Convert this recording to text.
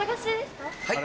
はい？